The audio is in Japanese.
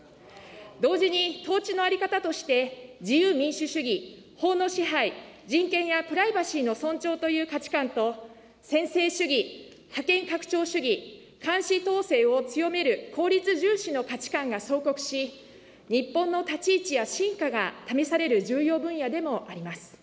同時に、統治の在り方として、自由・民主主義、法の支配、人権やプライバシーの尊重という価値観と、専制主義、覇権拡張主義、監視統制を強める効率重視の価値観が相克し、日本の立ち位置や真価が試される重要分野でもあります。